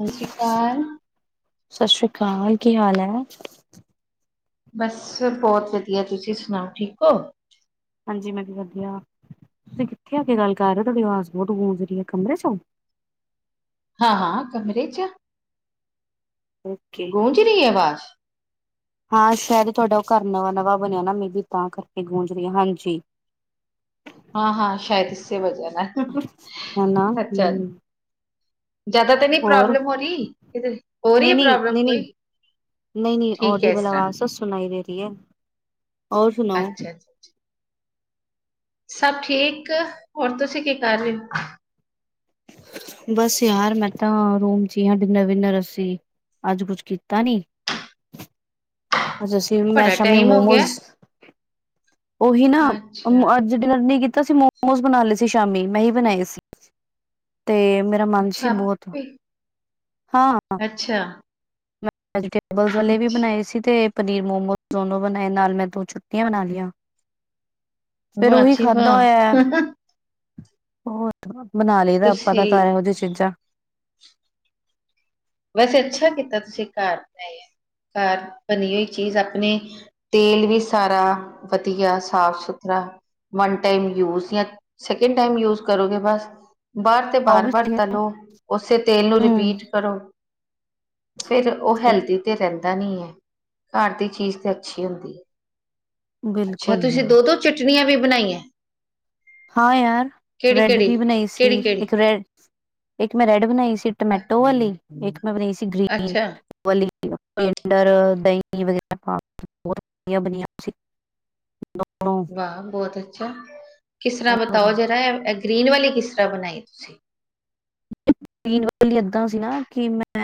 ਸਤਿ ਸ਼੍ਰੀ ਅਕਾਲ ਸਤਿ ਸ੍ਰੀ ਅਕਾਲ ਕੀ ਹਾਲ ਹੈ? ਬਸ ਬਹੁਤ ਵਧੀਆ ਤੁਸੀਂ ਸੁਣਾਓ ਠੀਕ ਹੋ ਹਾਂਜੀ ਮੈਂ ਵੀ ਵਧਿਆ ਤੁਸੀਂ ਕਿੱਥੇ ਆ ਕੇ ਗੱਲ ਕਰ ਰਹੇ ਹੋ ਤੁਹਾਡੀ ਆਵਾਜ਼ ਬਹੁਤ ਗੂੰਜ ਕਮਰੇ ਚ ਹੋ ਹਾਂ ਹਾਂ ਕਮਰੇ ਚ ਆ ਓਕੇ ਗੂੰਜ ਰਹੀ ਹੈ ਆਵਾਜ਼ ਹਾਂ ਸ਼ਾਇਦ ਤੁਹਾਡਾ ਉਹ ਘਰ ਨਵਾਂ ਨਵਾਂ ਬਣਿਆ ਨਾ ਮੇ ਬੀ ਤਾਂ ਕਰਕੇ ਗੂੰਜ ਰਹੀ ਹੈ ਹਾਂਜੀ ਹਾਂ ਹਾਂ ਸ਼ਾਇਦ ਇਸੇ ਵਜਾ ਨਾਲ ਹਨਾ ਅੱਛਾ ਅੱਛਾ ਹਮ ਜਿਆਦਾ ਤੇ ਨਹੀਂ ਹੋਰ ਪ੍ਰੋਬਲਮ ਹੋ ਰਹੀ ਕਿਤੇ ਹੋ ਰਹੀ ਨਹੀਂ ਹੈ ਨਹੀਂ ਪ੍ਰੋਬਲਮ ਨਹੀਂ ਨਹੀਂ ਕੋਈ ਨਹੀਂ ਨਹੀਂ ਠੀਕ ਹੈ ਇਸ ਔਡੀਬਲ ਤਰ੍ਹਾਂ ਆਵਾਜ਼ ਸਬ ਸੁਣਾਈ ਦੇ ਰਹੀ ਹੈ ਔਰ ਸੁਣਾਓ ਅੱਛਾ ਅੱਛਾ ਸਭ ਠੀਕ ਹੋਰ ਤੁਸੀਂ ਕੀ ਕਰ ਰਹੇ ਹੋ। ਬਸ ਯਾਰ ਮੈਂ ਤਾਂ ਰੂਮ ਚ ਹੀ ਹਾਂ ਡਿਨਰ ਵਿਨਰ ਅੱਸੀ ਅੱਜ ਕੁਛ ਕੀਤਾ ਨੀ ਅੱਜ ਅਸੀਂ ਮੈਂ ਬੜਾ ਸ਼ਾਮੀ ਟਾਈਮ ਹੋ ਗਿਆ ਮੋਮੋਜ਼ ਉਹੀ ਨਾ ਅੱਛਾ ਅੱਜ ਡਿਨਰ ਨੀ ਕੀਤਾ ਸੀ ਮੋਮੋਸ ਬਣਾ ਲਏ ਸੀ ਸ਼ਾਮੀ ਮੈਂ ਹੀ ਬਣਾਏ ਸੀ। ਤੇ ਮੇਰਾ ਮਨ ਅੱਛਾ ਸੀ ਬਹੁਤ ਆਪੇ ਹਾਂ। ਅੱਛਿਆ। ਵੈਜੀਟੇਬਲ ਵਾਲੇ ਵੀ ਬਣਾਏ ਸੀ ਤੇ ਪਨੀਰ ਮੋਮੋਜ਼ ਦੋਨੋ ਬਣਾਏ ਨਾਲ ਮੈਂ ਦੋ [unintelligible] ਬਣਾ ਲਈਆਂ। ਫੇਰ ਵਾਹ ਉਹੀ ਜੀ ਖਾਧਾ ਵਾਹ ਹੋਇਆ। ਹੋਰ ਬਣਾ ਲਈਦਾ ਆਪਾਂ ਤੁਸੀਂ ਤਾਂ ਘਰ ਇਹੋ ਜੀਆਂ ਚੀਜ਼ਾਂ। ਵੈਸੇ ਅੱਛਾ ਕੀਤਾ ਤੁਸੀਂ ਘਰ ਬਣਾਈ ਆ ਘਰ ਬਣੀ ਹੋਈ ਚੀਜ਼ ਆਪਣੇ ਤੇਲ ਵੀ ਸਾਰਾ ਵਧੀਆ ਸਾਫ-ਸੁਥਰਾ। ਵਨ ਟਾਈਮ ਯੂਜ ਜਾਂ ਸੈਕਿੰਡ ਟਾਈਮ ਯੂਜ ਕਰੋਗੇ ਬਸ ਬਾਰ ਤੇ ਉਹ ਵੀ ਵਾਰ-ਵਾਰ ਸਹੀ ਹੈ, ਤਲੋ ਓਸੇ ਤੇਲ ਨੂੰ ਹੂੰ ਰਿਪੀਟ ਕਰੋ। ਫੇਰ ਉਹ ਹੈਲਦੀ ਤੇ ਰਹਿੰਦਾ ਨੀ ਐ ਘਰ ਦੀ ਚੀਜ਼ ਤੇ ਅੱਛੀ ਹੁੰਦੀ। ਅੱਛਾ ਬਿਲਕੁਲ ਤੁਸੀਂ ਯਾਰ ਦੋ ਦੋ ਚਟਣੀਆਂ ਵੀ ਬਣਾਈਆਂ। ਹਾਂ, ਯਾਰ ਕਿਹੜੀ ਬ੍ਰੈਡ ਕਿਹੜੀ ਵੀ ਬਣਾਈ ਸੀ ਕਿਹੜੀ ਇੱਕ ਕਿਹੜੀ ਰੈ ਇੱਕ ਮੈਂ ਰੈਡ ਬਣਾਈ ਸੀ ਟਮੈਟੋ ਵਾਲੀ ਇੱਕ ਮੈਂ ਬਣਾਈ ਸੀ ਗ੍ਰੀਨ। ਅੱਛਾ [unintelligible] ਦਹੀਂ ਵਗੈਰਾ ਬੋਤ ਵਧੀਆ ਬਣੀ ਹੋਈ ਸੀ। [inaudible] ਹਾਂ ਬਹੁਤ ਅੱਛਾ ਕਿਸ ਤਰ੍ਹਾਂ ਹੋਰ ਬਤਾਓ ਜਰਾ ਐ ਗ੍ਰਰੀਨ ਵਾਲੀ ਕਿਸ ਤਰ੍ਹਾਂ ਬਣਾਈ ਤੁਸੀਂ। ਗਰੀਨ ਵਾਲੀ ਏਦਾਂ ਸੀ ਨਾ ਕਿ ਮੈਂ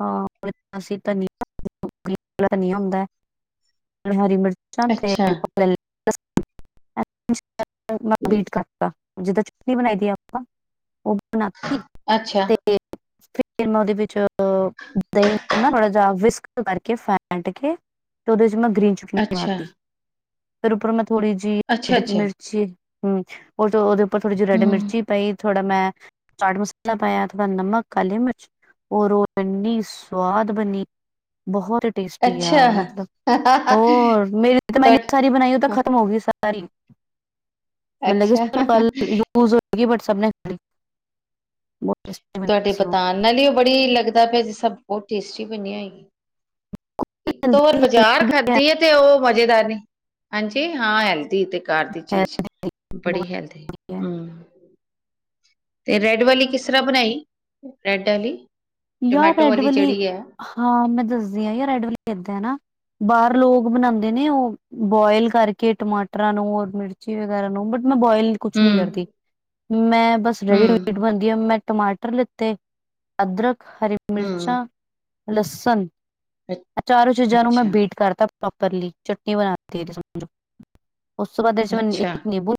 ਹਾਂ [unintelligible] ਗਰੀਨ ਵਾਲਾ ਧਨੀਆਂ ਹੁੰਦਾ ਹਰੀ ਮਿਰਚਾਂ ਤੇ ਅੱਛਾ [unintelligible] [unintelligible] ਕਰਤਾ ਜਿੱਦਾਂ ਚਟਨੀ ਬਣਾਈ ਦੀ ਆਪਾਂ ਓ ਬਣਾ ਅੱਛਾ। ਤੇ ਫਿਰ ਮੈਂ ਉਹਦੇ ਵਿੱਚ ਦਹੀਂ ਨੂੰ ਨਾ ਥੋੜਾ ਜਾ ਵਿਸਕ ਕਰਕੇ ਫੈਂਟ ਕੇ ਉਹਦੇ ਚ ਮੈਂ ਗਰੀਨ ਚਟਨੀ ਅੱਛਾ [unintelligible] ਫਿਰ ਉਪਰੋ ਮੈਂ ਥੋੜੀ ਜੀ। ਅੱਛਾ ਰੈੱਡ ਅੱਛਾ ਮਿਰਚੀ ਹੂੰ, ਉਹ ਉਹਦੇ ਉੱਪਰ ਥੋੜੀ ਜੀ ਰੈੱਡ ਹਮ ਮਿਰਚੀ ਪਾਈ ਥੋੜਾ ਮੈਂ ਚਾਟ ਮਸਾਲਾ ਪਾਇਆ ਥੋੜਾ ਨਮਕ ਕਾਲੀ ਮਿਰਚ। ਔਰ ਓ ਇੰਨੀ ਸਵਾਦ ਬਣੀ ਬਹੁਤ ਟੇਸਟੀ ਯਾਰ ਅੱਛਾ ਮਤਲਬ ਹੋਰ ਮੇਰੀ ਤਾਂ ਮੈਂ ਤੁਹਾ ਐਨੀ ਸਾਰੀ ਬਣਾਈ ਓ ਤਾਂ ਖਤਮ ਹੋ ਗਈ ਸਾਰੀ ਮਤਲਬ ਅੱਛਾ ਤੁਹਾਡੀ ਕਿ [unintelligible] ਯੂਜ ਹੋਗੀ ਬਟ ਸਭ ਨੇ ਖਾ ਲੀ। ਤੁਹਾਡੇ ਸੀ ਉਹ ਬਤਾਣ ਨਾਲ ਈ ਓ ਬੜੀ ਲੱਗਦਾ ਪਿਆ ਜੇ ਸਭ ਬਹੁਤ ਟੇਸਟੀ ਬਣੀ ਹੋਏਗੀ। ਇੱਕੋ ਦੋ ਵਾਰ ਹੈਲਦੀ ਬਾਜ਼ਾਰ ਹੈਲਦੀ ਵੀ ਹੈ ਖਾਧੀ ਐ ਤੇ ਉਹ ਮਜ਼ੇਦਾਰ ਨੀ। ਹਾਂਜੀ ਹਾਂ ਹੈਲਦੀ ਤੇ ਘਰ ਦੀ ਚੀਜ਼ ਹੈਲਦੀ ਬਹੁਤ ਬੜੀ ਹੈਲਦੀ ਹੈ ਹੂੰ, ਤੇ ਰੈੱਡ ਵਾਲੀ ਕਿਸ ਤਰ੍ਹਾਂ ਬਣਾਈ ਰੈੱਡ ਆਲੀ। ਯਾਰ ਰੈਡ ਵਾਲੀ ਹਾਂ ਮੈਂ ਦੱਸਦੀ ਆ ਯਾਰ ਰੈਡ ਵਾਲੀ ਏਦਾਂ ਨਾ। ਬਾਰ ਲੋਕ ਬਣਾਂਦੇ ਨੇ ਓ। ਬੋਇਲ ਕਰਕੇ ਟਮਾਟਰਾਂ ਨੂੰ ਔਰ ਮਿਰਚੀ ਵਗੈਰਾ ਨੂੰ ਬਟ ਮੈਂ ਬੋਇਲ ਕੁਛ ਨੀ ਹਮ ਕਰਦੀ ਮੈਂ ਬਸ ਰੈਡ ਹਮ ਟਮੈਟੋ ਪਾਂਦੀ ਆ ਮੈਂ। ਟਮਾਟਰ ਲਿੱਤੇ, ਅਦਰਕ, ਹਰੀ ਹਮ ਮਿਰਚਾਂ, ਲਸਣ। ਅ ਚਾਰੋਂ ਚੀਜ਼ਾਂ ਨੂੰ ਮੈਂ ਅੱਛਾ ਬੀਟ ਕਰਤਾ ਪ੍ਰੋਪਰਲੀ ਚਟਨੀ ਬਣਾਤੀ ਉਸ ਤੋਂ ਬਾਅਦ ਏ ਚ ਮੈਂ ਅੱਛਾ ਨਿੰੰਬੂ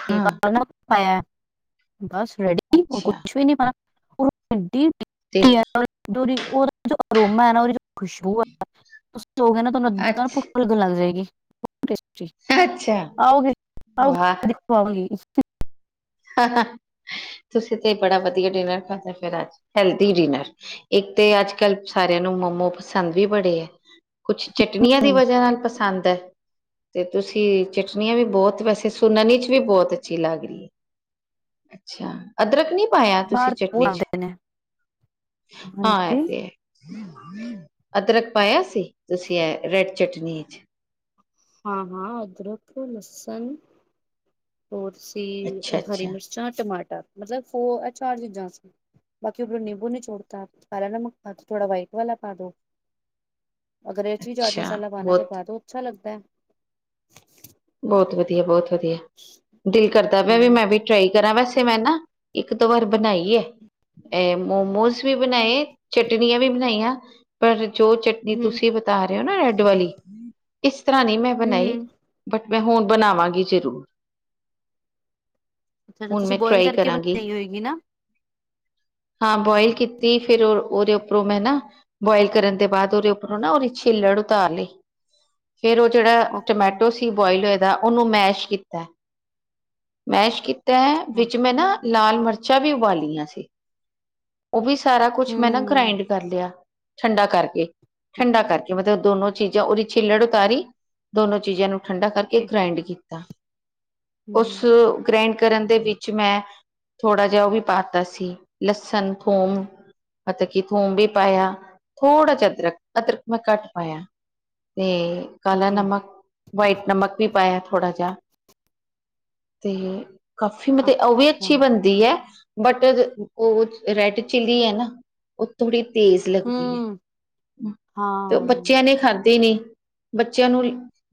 ਹਾਂ ਪਾਇਆ ਬਸ ਰੈਡੀ ਔਰ ਅੱਛਾ ਕੁਛ ਵੀ ਨੀ, ਤੇ [unintelligible] ਅਰੋਮਾ ਨਾ ਉਹਦੀ ਜੋ ਖੁਸ਼ਬੂ ਐ। [inaudible] ਅੱਛ ਪੁੱਖ ਲੱਗਣ ਲੱਗ ਜਾਏਗੀ। ਅੱਛਾ [inaudible] ਆਓਗੇ ਵਾਹ ਆਓਗੇ [inaudible] ਤੁਸੀਂ ਤੇ ਬੜਾ ਵਧੀਆ ਡਿਨਰ ਖਾਂਦੇ ਫਿਰ ਅੱਜ ਹੈਲਦੀ ਡਿਨਰ। ਇਕ ਤੇ ਅੱਜ ਕੱਲ੍ਹ ਸਾਰਿਆਂ ਨੂੰ ਮੋਮੋ ਪਸੰਦ ਵੀ ਬੜੇ ਐ। ਕੁਛ ਚਟਨੀਆਂ ਦੀ ਹਮ, ਵਜ੍ਹਾ ਨਾਲ ਪਸੰਦ ਐ। ਤੇ ਤੁਸੀਂ ਚਟਨੀਆਂ ਵੀ ਬੋਤ ਵੈਸੇ ਸੁਨਣ 'ਚ ਵੀ ਬੋਤ ਅੱਛੀ ਲੱਗ ਰਹੀ ਐ। ਅੱਛਾ ਅਦਰਕ ਨੀ ਪਾਇਆ ਤੁਸੀਂ ਬਾਹਰ ਤਾਂ ਬਹੁਤ ਚਟਨੀ 'ਚ। ਆਉਂਦੇ ਨੇ ਪਾਇਆ ਹਾਂਜੀ ਤੇ ਐ। ਅਦਰਕ ਪਾਇਆ ਸੀ ਤੁਸੀਂ ਐ ਰੈਡ ਚਟਨੀਆਂ 'ਚ। ਹਾਂ -ਹਾਂ ਅਦਰਕ, ਲਸਨ। ਹੋਰ ਅਸੀ ਅੱਛਾ ਹਰੀ ਅੱਛਾ ਮਿਰਚਾਂ, ਟਮਾਟਰ ਮਤਲਬ ਫੋਰ ਐ ਚਾਰ ਚੀਜ਼ਾਂ ਸੀ। ਬਾਕੀ ਉਪਰੋਂ ਨਿੰਬੂ ਨਿਚੋੜਤਾ। ਕਾਲਾ ਨਮਕ ਪਾ ਦੋ, ਥੋੜਾ ਵਾਈਟ ਵਾਲਾ ਪਾ ਦੋ। ਅਗਰ ਏਚ ਵੀ ਚਾਟ ਅੱਛਾ ਮਸਾਲਾ ਪਾਣਾ ਤੇ ਬਹੁਤ ਪਾਦੋ। ਅੱਛਾ ਲੱਗਦਾ ਐ। ਬੋਤ ਵਧੀਆ- ਬੋਤ ਵਧੀਆ। ਦਿਲ ਕਰਦਾ ਹੂੰ ਪਿਆ ਮੈਂ ਵੀ- ਟਰਾਈ ਕਰਾਂ। ਵੈਸੇ ਮੈਂ ਨਾ ਇੱਕ ਦੋ ਵਾਰ ਬਣਾਈ ਐ। ਐ ਮੋਮੋਜ਼- ਮੋਮੋਸ ਵੀ ਬਣਾਏ। ਚਟਨੀਆਂ ਵੀ ਬਣਾਈਆਂ। ਪਰ ਜੋ ਚਟਨੀ ਤੁਸੀਂ- ਤਾਂ ਰੇ ਨਾ ਰੈਡ ਵਾਲੀ, ਇਸ ਤਰ੍ਹਾਂ ਨੀ ਮੈਂ ਬਣਾਈ। ਬਟ ਮੈਂ ਹੁਣ ਬਣਾਵਾਂਗੀ ਜ਼ਰੂਰ। ਅੱਛਾ ਹੁਣ ਤੁਸੀਂ ਮੈਂ ਬੋਆਇਲ ਟਰਾਈ ਕਰਕੇ ਕਰਾਂਗੀ। ਬਣਾਈ ਹੋਏਗੀ ਨਾ। ਹਾਂ ਬੋਇਲ ਕੀਤੀ ਫੇਰ ਓਹਦੇ ਉੱਪਰੋਂ ਮੈਂ ਨਾ- ਬੋਆਇਲ ਕਰਨ ਦੇ ਬਾਦ ਓਹਦੇ ਉੱਪਰੋਂ ਨਾ ਓਹਦੀ ਛਿੱਲੜ ਉਤਾਰ ਲਈ। ਫੇਰ ਓ ਜੇੜਾ ਓਕੇ ਟਮੈਟੋ- ਸੀ ਬੋਇਲ ਹੋਏ ਦਾ ਓਹਨੂੰ ਮੈਸ਼ ਕੀਤਾ। ਮੈਸ਼ ਕੀਤਾ ਹਾਂ ਵਿੱਚ ਮੈਂ ਨਾ- ਲਾਲ ਮਿਰਚਾਂ ਵੀ ਉਬਾਲੀਆਂ ਸੀ। ਓ ਵੀ ਸਾਰਾ ਕੁਛ ਮੈਂ ਨਾ ਹੂੰ ਗ੍ਰਾਇੰਡ ਕਰ ਲਿਆ। ਠੰਡਾ ਕਰਕੇ- ਠੰਡਾ ਕਰਕੇ। ਮਤਲਬ ਦੋਨੋ ਚੀਜ਼ਾਂ ਓਹਦੀ ਛਿੱਲੜ ਉਤਾਰੀ, ਦੋਨੋ- ਚੀਜ਼ਾਂ ਨੂੰ ਠੰਡਾ ਕਰਕੇ ਓਕੇ ਗ੍ਰਾਇੰਡ ਕੀਤਾ। ਹੂੰ ਉਸ- ਗ੍ਰਾਇੰਡ ਕਰਨ ਦੇ ਵਿੱਚ ਮੈਂ ਥੋੜ੍ਹਾ ਜਿਹਾ ਓ ਵੀ ਪਾਤਾ ਸੀ ਲਸਣ- ਥੋਮ। ਮਤਲਬ ਕੀ ਥੂਮ ਵੀ ਪਾਇਆ ਥੋੜ੍ਹਾ ਜਿਹਾ ਅਦਰਕ। ਅਦਰਕ ਮੈਂ ਘੱਟ ਪਾਇਆ। ਤੇ ਕਾਲਾ ਓਕੇ ਨਮਕ, ਵਾਈਟ ਨਮਕ ਵੀ ਪਾਇਆ ਥੋੜਾ ਜਿਹਾ। ਤੇ- ਕਾਫੀ ਮਤਲਬ ਓ ਵੀ ਅੱਛਾ ਅੱਛੀ ਬਣਦੀ ਐ। ਬਟ ਓ ਰੈਡ ਚਿੱਲੀ ਐ ਨਾ। ਓ ਥੋੜ੍ਹੀ ਤੇਜ਼ ਲੱਗਦੀ ਹੂੰ ਐ। ਤੇ ਹਾਂ ਬੱਚਿਆਂ ਨੇ ਖਾਧੀ ਨੀ। ਬੱਚਿਆਂ ਨੂੰ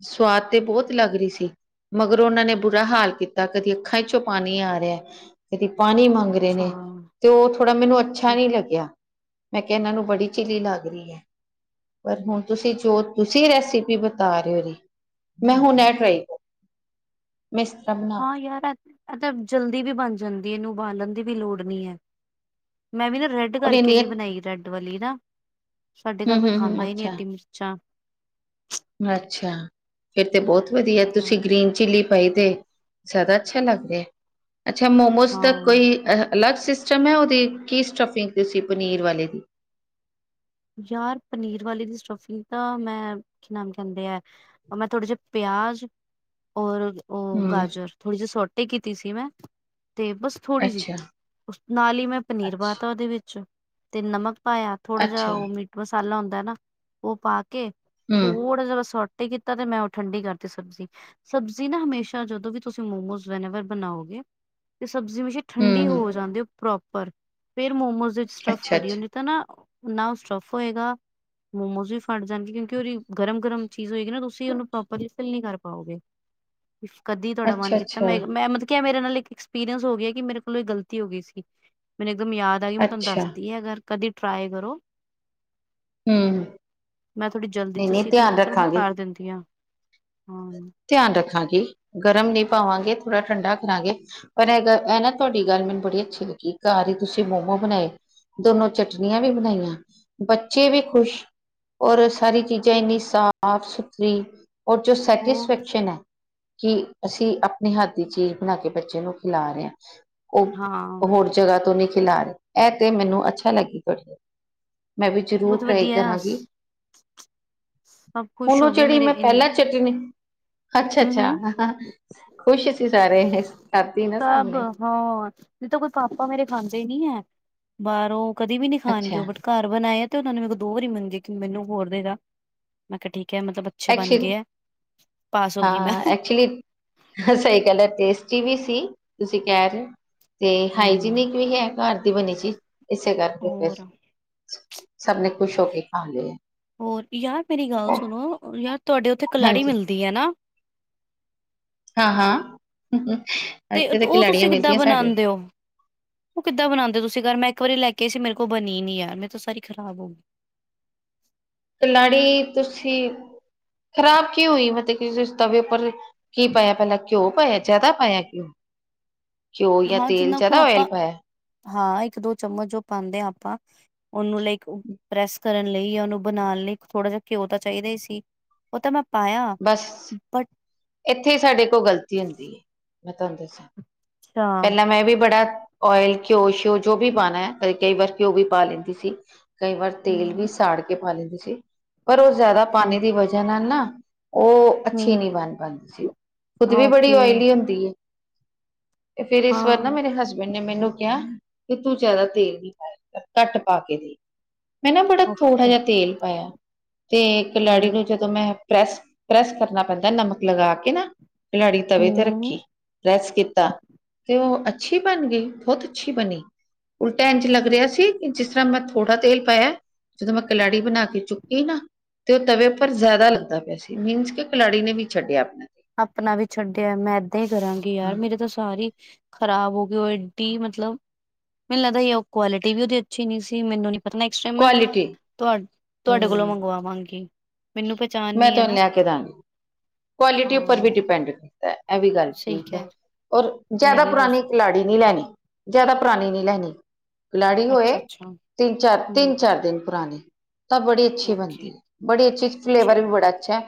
ਸਵਾਦ ਤੇ ਬੋਤ ਲੱਗ ਰਹੀ ਸੀ। ਮਗਰੋਂ ਓਨਾਂ ਨੇ ਬੁਰਾ ਹਾਲ ਕੀਤਾ ਕਦੀ ਅੱਖਾਂ' ਚੋਂ ਪਾਣੀ ਆ ਰਿਆ। ਕਦੀ ਪਾਣੀ ਮੰਗ ਰਹੇ ਅੱਛਾ ਨੇ। ਤੇ ਓ ਥੋੜ੍ਹਾ ਮੈਨੂੰ ਅੱਛਾ ਨੀ ਲੱਗਿਆ। ਮੈਂ ਕਿਆ ਏਨਾਂ ਨੂੰ ਬੜੀ ਚਿਲੀ ਲੱਗ ਰਹੀ ਐ। ਪਰ ਹੁਣ ਤੁਸੀਂ ਜੋ ਤੁਸੀਂ ਰੈਸਪੀ ਬਤਾ ਰਹੇ ਓ ਇਹਦੀ। ਮੈਂ ਹੁਣ ਐ ਟਰਾਈ ਕਰ- [unintelligible] ਹਾਂ ਯਾਰ ਐ। ਐ ਤਾਂ ਜਲਦੀ ਵੀ ਬਣ ਜਾਂਦੀ ਇਹਨੂੰ ਉਬਾਲਣ ਦੀ ਵੀ ਲੋੜ ਨੀ ਐ। ਮੈਂ ਵੀ ਨਾ ਰੈਡ- ਐਡੇ ਔਰ ਕਰਕੇ ਇੰਨੀ ਨੀ ਬਣਾਈ ਰੈਡ ਵਾਲੀ ਨਾ। ਸਾਡੇ ਘਰ ਹਮ ਕੋਈ ਹਮ ਹਮ ਖਾਂਦਾ ਈ ਨੀ ਅੱਛਾ ਐਡੀ ਮਿਰਚਾਂ। ਅੱਛਾ ਫਿਰ ਤੇ ਬੋਤ ਵਧੀਆ ਤੁਸੀਂ ਗ੍ਰੀਨ ਚਿੱਲੀ- ਪਈ ਤੇ ਜਾਦਾ ਅੱਛਾ ਲੱਗ ਰਿਆ। ਅੱਛਾ ਮੋਮੋਜ਼ ਦਾ ਹਾਂ ਕੋਈ ਅਲੱਗ- ਚਾ ਮੈਂ ਓ ਦੇਖਕੇ ਸਟਫਿੰਗ ਦੇ ਸੀ ਪਨੀਰ ਵਾਲੇ ਦੀ। ਯਾਰ ਪਨੀਰ ਵਾਲੇ ਦੀ ਸਟਫਿੰਗ ਤਾਂ ਮੈਂ ਕੀ ਨਾਮ ਕੈਂਦੇ ਐ। ਮੈਂ ਥੋੜੇ ਜਿਹੇ ਪਿਆਜ ਔਰ- ਓ ਹੂੰ ਗਾਜਰ ਥੋੜ੍ਹੀ ਜੀ ਸੋਟੇ ਕੀਤੀ ਸੀ ਮੈਂ। ਤੇ ਬਸ- ਥੋੜੀ ਜੀ। ਅੱਛਾ, ਉਸ ਨਾਲ ਈ ਮੈਂ ਪਨੀਰ ਪਾ ਤਾ ਓਹਦੇ ਵਿੱਚ ਤੇ ਨਮਕ ਪਾਇਆ। ਥੋੜਾ ਜ ਅੱਛਾ ਹੂੰ, ਓ ਮੀਟ ਮਸਾਲਾ ਹੁੰਦਾ ਨਾ ਓ ਪਾ ਕੇ ਥੋੜਾ ਜਿਆ ਸੋਟ- ਤੇ ਕੀਤਾ ਤੇ ਮੈਂ ਓ ਠੰਡੀ ਕਰਤੀ ਸਬਜ਼ੀ। ਸਬਜ਼ੀ ਨਾ ਹਮੇਸ਼ਾ ਜਦੋਂ ਵੀ ਤੁਸੀਂ ਮੋਮੋਜ਼ ਵੈਨੇਵਰ ਬਣਾਓਗੇ ਤੇ ਸਬਜ਼ੀ ਹਮੇਸ਼ਾ ਠੰਡੀ ਹੂੰ। ਹੋ ਜਾਨ ਦਿਓ ਪ੍ਰੋਪਰ ਫੇਰ ਮੋਮੋਸ ਵਿਚ ਸਟਫ ਅੱਛਾ-ਅੱਛਾ, ਅੱਛਾ-ਅੱਛਾ, ਕਰੀਓ ਨ‌ਈ ਤਾਂ ਨਾ ਨਾ ਸਟੱਫ ਹੋਏਗਾ ਮੋਮੋਜ਼ ਵੀ ਫਟ ਜਾਣਗੇ ਕਿਉਂਕਿ ਓਦੀ ਗਰਮ ਗਰਮ ਚੀਜ਼ ਹੋਏਗੀ ਨਾ ਤੁਸੀਂ ਓਨੂੰ ਪ੍ਰੋਪਰਲੀ ਫਿਲ ਨੀ ਕਰ ਪਾਓਗੇ। ਕਦੀ ਤੁਆਡਾ ਮਨ ਅੱਛਾ ਕੀਤਾ ਮੈਂ ਇ ਅੱਛਾ, ਮੈਂ ਮਤੇ ਕੇਐ ਮੇਰੇ ਨਾਲ ਇੱਕ ਇਕਸ ਪੀਰੀਅੰਸ ਹੋ ਗਿਐ ਕਿ ਮੇਰੇ ਕੋਲੋਂ ਏ ਗਲਤੀ ਹੋ ਗਈ ਸੀ ਮੈਨੂੰ ਇੱਕਦਮ ਯਾਦ ਆ ਗਈ ਮੈਂ ਤੁਆਨੂੰ ਅੱਛਾ, ਦੱਸਦੀ ਐ ਅਗਰ ਕਦੀ ਟਰਾਏ ਕਰੋ। ਹੂੰ। ਮੈਂ ਥੋੜ੍ਹੀ ਜਲਦੀ ਚ ਨਈ-ਨਈ ਸੀ ਤੇ ਮੈਂ ਧਿਆਨ ਕੈ ਚੱਲ ਮੈਂ ਰੱਖਾਂਗੇ, ਕਰ ਦੇੰਦੀ ਆਂ, ਹਾਂ। ਧਿਆਨ ਰੱਖਾਂਗੀ, ਗਰਮ ਨੀ ਪਾਵਾਂਗੇ ਥੋੜ੍ਹਾ ਠੰਡਾ ਕਰਾਂਗੇ। ਔਰ ਐਹ ਗ ਐਨਾ ਤੁਐਡੀ ਗੱਲ ਮੈਨੂੰ ਬੜੀ ਅੱਛੀ ਲੱਗੀ ਏ, ਘੱਰ ਹੀ ਤੁਸੀਂ ਮੋਮੋ ਬਣਾਏ। ਦੋਨੋ ਚਟਣੀਆਂ ਵੀ ਬਣਾਈਆਂ, ਬੱਚੇ ਵੀ ਖ਼ੁਸ਼। ਔਰ ਸਾਰੀ ਚੀਜ਼ਾਂ ਇੰਨੀ ਸਾਫ ਸੁਥਰੀ, ਔਰ ਜੋ ਸੈਟਿਸ ਹੋਰ ਕਿ ਅਸੀਂ ਆਪਣੇ ਹੱਥ ਦੀ ਚੀਜ਼ ਬਣਾ ਕੇ ਬੱਚੇ ਨੂੰ ਖਿਲਾ ਰੇ ਆਂ। ਓਹ ਹਾਂ ਹੋਰ ਜਗ੍ਹਾ ਤੋਂ ਨਹੀਂ ਖਿਲਾ ਰੇ, ਐ ਤੇ ਮੈਨੂੰ ਅੱਛਾ ਲੱਗੀ ਕਰਦੇ। ਮੈਂ ਵੀ ਜ਼ਰੂਰ ਬਹੁਤ ਟਰਾਈ ਵਧੀਆ ਕਰਾਂਗੀ, ਸਭ ਖੁਸ਼ ਹੁਣ ਓ ਹੋ ਗਏ ਜੇੜੀ ਮੇਰੇ ਮੈਂ ਪੈਲਾਂ ਚਟਨੀ ਅੱਛਾ ਹੂੰ-ਹੂੰ ਅੱਛਾ ਖੁਸ਼ ਸੀ ਸਾਰੇ ਕਾਤੀ ਨਾ ਸਭ ਸਾਭਣੇ। ਹਾਂ, ਨਹੀਂ ਤਾਂ ਕੋਈ ਪਾਪਾ ਮੇਰੇ ਖਾਂਦੇ ਨੀ ਹੈ, ਬਾਰੋਂ ਕਦੀ ਵੀ ਨੀ ਖਾਣਗੇ ਅੱਛਾ ਓਹ ਬਟ ਘਰ ਬਣਾਏ ਆ ਤੇ ਓਨਾਂ ਨੇ ਮੇਰੇ ਕੋਲ ਦੋ ਵਾਰੀ ਮੰਗੇ ਕਿ ਮੈਨੂੰ ਹੋਰ ਦੇ ਦਾ, ਮੈਂ ਕਿਆ ਠੀਕ ਹੈ ਮਤਲਬ ਅਛੇ ਬਣ ਐਕਚੁਲੀ ਗਏ ਐ। ਹਾਂ, ਐਕਚਲੀ ਸਹੀ ਗੱਲ ਏ ਟੇਸਟੀ ਵੀ ਸੀ, ਤੁਸੀਂ ਕੈ ਰੇ ਤੇ ਹੂੰ ਹਾਈਜੀਨਿਕ ਵੀ ਹੈ। ਘਰ ਦੀ ਬਣੀ ਚੀਜ਼ ਇਸੇ ਕਰਕੇ ਫੇਰ ਹੋਰ ਸਭ ਨੇ ਖੁਸ਼ ਹੋ ਕੇ ਖਾ ਲੇ ਐ। ਹੋਰ, ਯਾਰ ਮੇਰੀ ਗੱਲ ਸੁਣੋ ਯਾਰ ਤੁਐਡੇ ਓਥੇ ਕਲਾੜੀ ਹਾਂਜੀ ਮਿਲਦੀ ਐ ਨਾ। ਹਾਂ, ਹਾਂ। ਤੇ ਓਹ ਤੁਸੀਂ ਕਿੱਦਾਂ ਬਣਾੰਦੇ ਔ? ਓਹ ਕਿੱਦਾਂ ਬਣਾੰਦੇ ਤੁਸੀਂ ਗਰ ਮੈਂ ਇੱਕ ਵਾਰੀ ਲੈ ਕੇ ਆਈ ਸੀ, ਮੇਰੇ ਕੋਲ ਬਣੀ ਨੀ ਯਾਰ ਮੇਰੇ ਤੋ ਸਾਰੀ ਖਰਾਬ ਹੋ ਗੀ ਕਲਾੜੀ ਤੁਸੀਂ ਖਰਾਬ ਕਿਉਂ ਹੂਈ ਮਤੇ ਕਿ ਜਿਸ ਤਵੇ ਉੱਪਰ ਕੀ ਪਾਯਾ ਪੈਲਾਂ, ਘਿਉਂ ਪਾਯੈ, ਜੈਦਾ ਪਾਯੈ ਘਿਉਂ? [inaudible] ਘਿਓ ਯਾ ਹਾਂ ਤੇਲ ਜਿੰਨਾ ਕੁ ਜੈਦਾ ਔਇਲ ਆਪਾਂ ਪਾਯੈ। ਹਾਂ, ਇੱਕ ਦੋ ਚਮਚ ਜੋ ਪਾੰਦੇ ਆਂ ਆਪਾਂ ਓਨੂੰ ਲਾਈਕ ਪ੍ਰੈਸ ਕਰਨ ਲਈ ਯਾ ਓਨੂੰ ਬਣਾਣ ਲਈ ਥੋੜ੍ਹਾ ਜਾ ਘਿਓ ਤਾਂ ਚਾਈਦਾ ਹੀ ਸੀ ਓਹ ਤਾਂ ਮੈਂ ਪਾਇਆ ਬਸ ਬਟ ਏਥੇ ਸਾਡੇ ਕੋਲ ਗਲਤੀ ਹੁੰਦੀ ਏ, ਮੈਂ ਤੁਆਨ ਦੱਸਾਂ। ਅੱਛਾ ਪੈਲਾਂ ਮੈਂ ਵੀ ਬੜਾ ਓਇਲ, ਘਿਓ ਸ਼ਿਓ ਜੋ ਵੀ ਪਾਣੈ ਕਈ ਕਈ ਵਾਰ ਘਿਓ ਵੀ ਪਾ ਲੈਂਦੀ ਸੀ। ਕਈ ਵਾਰ ਤੇਲ ਵੀ ਹੂੰ ਸਾੜ ਕੇ ਪਾ ਲੈਂਦੀ ਸੀ, ਪਰ ਓਹ ਜੈਦਾ ਪਾਣੇ ਹੂੰ ਦੀ ਵਜ੍ਹਾ ਨਾਲ ਨਾ ਓ ਅੱਛੀ ਹੂੰ, ਨੀ ਬਣ ਪਾੰਦੀ ਸੀ ਖੁੱਦ ਵੀ ਬੜੀ ਓਕੇ ਓਇਲੀ ਹੁੰਦੀ ਏ। ਏ ਫਿਰ ਇਸ ਵਾਰ ਨਾ ਹਾਂ ਮੇਰੇ ਹਸਬੈਂਡ ਨੇ ਮੈਨੂੰ ਕਿਆ ਕਿ ਤੂੰ ਜੈਦਾ ਤੇਲ ਨੀ ਪਾਯਾ ਕਰ, ਘੱਟ ਪਾ ਕੇ ਦੇਖ। ਮੈਂ ਨਾ ਬੜਾ ਥੋੜਾ ਓਕੇ ਜਾ ਤੇਲ ਪਾਯਾ, ਤੇ ਕਿਲਾਰੀ ਹੂੰ ਵਿੱਚ ਤ ਮੈਂ ਪ੍ਰੈਸ ਪ੍ਰੈਸ ਕਰਨਾ ਪੈਂਦੈ ਨਮਕ ਲਗਾ ਕੇ ਨਾ। ਕਲਾੜੀ ਤਵੇ ਤੇ ਹੂੰ ਰੱਖੀ, ਪ੍ਰੈਸ ਕੀਤਾ। ਤੇ ਓ ਅੱਛੀ ਬਣ ਗਈ, ਬੌਤ ਅੱਛੀ ਬਣੀ। ਉਲਟਾ ਐੰਝ ਲੱਗ ਰਿਹਾ ਸੀ, ਜਿਸ ਤਰ੍ਹਾਂ ਮੈਂ ਥੋੜ੍ਹਾ ਤੇਲ ਪਾਯੈ ਜਦੋਂ ਮੈਂ ਕਲਾੜੀ ਬਣਾ ਕੇ ਚੁੱਕੀ ਨਾ ਤੇ ਉਹ ਤਵੇ ਉਪਰ ਜਿਆਦਾ ਲੱਗਦਾ ਪਿਆ ਸੀ, ਮੀਨਸ ਕਿ ਕਲਾੜੀ ਨੇ ਵੀ ਛੱਡਿਆ ਆਪਣਾ। ਆਪਣਾ ਵੀ ਛੱਡਿਆ ਮੈਂ ਏਦਾਂ ਈ ਕਰਾਂਗੀ ਯਾਰ ਮੇਰੇ ਤਾਂ ਸਾਰੀ ਖ਼ਰਾਬ ਹੋਗੀ, ਉਹ ਏਡੀ ਮਤਲਬ ਮੈਨੂੰ ਲੱਗਦਾ ਈ ਉਹ ਕੁਆਲਿਟੀ ਵੀ ਓਦੀ ਅੱਛੀ ਨੀ ਸੀ ਮੈਨੂੰ ਨੀ ਪਤਾ ਉਸ ਟੈਮ ਮੈਂ ਕੁਆਲਿਟੀ ਤੁਆਡ ਤੁਆਡੇ ਹੂੰ ਕੋਲੋਂ ਮੰਗਵਾਵਾਂਗੀ, ਮੈਨੂੰ ਪੈਚਾਣ ਮੈਂ ਨੀ ਐ ਤੁਹਾਨੂੰ ਨਾ। ਲਿਆ ਕੇ ਦਾਂਗੀ। ਕੁਆਲਿਟੀ ਉੱਪਰ ਵੀ ਹਾਂ ਡਿਪੈਂਡ ਕਰਦੈ, ਐਵੀ ਗੱਲ ਸਹੀ ਠੀਕ ਐ। ਕਹਿ ਔਰ ਮੇ ਜਿਆਦਾ ਵੀ ਹੋ ਪੁਰਾਣੀ ਸਕਦਾ ਕਲਾੜੀ ਨੀ ਲੈਣੀ, ਜਿਆਦਾ ਪੁਰਾਣੀ ਨੀ ਲੈਣੀ। ਕਲਾੜੀ ਹੋਏ, ਅੱਛਾ ਅੱਛਾ ਤਿੰਨ-ਚਾਰ ਹਮ ਤਿੰਨ-ਚਾਰ ਦਿਨ ਪੁਰਾਣੀ। ਤਾਂ ਬੜੀ ਅੱਛੀ ਬਣਦੀ ਓਕੇ ਏ, ਬੜੀ ਅੱਛੀ ਫਲੇਵਰ ਚਲ ਵੀ ਬੜਾ ਅੱਛੈ।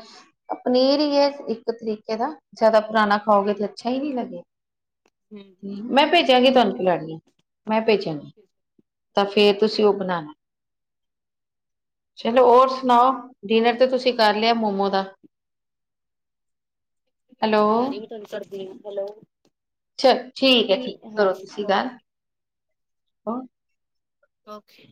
ਪਨੀਰ ਈ ਏ ਇੱਕ ਤਰੀਕੇ ਦਾ, ਜ਼ਿਆਦਾ ਪੁਰਾਣਾ ਖਾਓਗੇ ਤੇ ਅੱਛਾ ਹੀ ਨਹੀਂ ਲੱਗੇਗਾ। ਹਮ ਮੈਂ ਠੀਕ ਹੈ ਭੇਜਾਂਗੀ ਠੀਕ ਤੁਹਾਨੂੰ ਹੈ ਕਲਾੜੀ, ਮੈਂ ਭੇਜਾਂਗੀ। ਓਕੇ ਤਾਂ ਫੇਰ ਤੁਸੀਂ ਉਹ ਬਨਾਣਾ। ਚਲੋ ਹੋਰ ਸੁਣਾਓ। ਡਿਨਰ ਤੇ ਤੁਸੀਂ ਕਰ ਲਿਆ ਮੋਮੋ ਦਾ। ਹੈਲੋ ਆ ਰਹੀ, ਮੈਂ ਤੁਹਾਨੂੰ ਕਰਦੀ ਆਂ। ਹੈਲੋ, ਚ ਠੀਕ ਹੈ ਠੀਕ ਹੈ ਮੈਨੂੰ ਹਾਂ, ਕਰੋ ਤੁਸੀਂ ਓਕੇ। ਗੱਲ [unintelligible] ਓਕੇ।